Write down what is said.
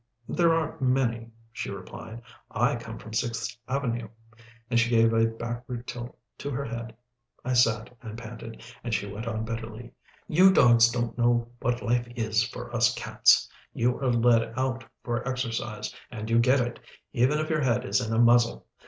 "There aren't many," she replied. "I come from Sixth Avenue," and she gave a backward tilt to her head. I sat and panted, and she went on bitterly, "You dogs don't know what life is for us cats. You are led out for exercise, and you get it, even if your head is in a muzzle.